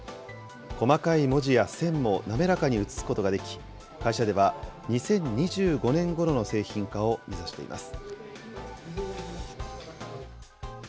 細かい文字や線も滑らかに映すことができ、会社では２０２５年ごろの製品化を目指しています。